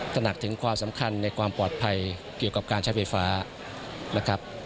หนักถึงความสำคัญในความปลอดภัยเกี่ยวกับการใช้ไฟฟ้านะครับ